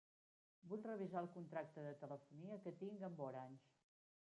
Vull revisar el contracte de telefonia que tinc amb Orange.